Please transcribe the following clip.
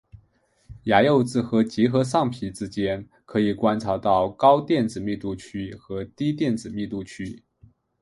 牙釉质和结合上皮之间可以观察到高电子密度区和低电子密度区。